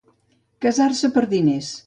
Casar-se per diners.